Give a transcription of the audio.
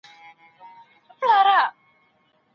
پرمختيا بايد عادلانه وي.